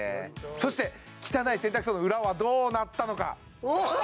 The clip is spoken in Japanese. そして汚い洗濯槽の裏はどうなったのかわ！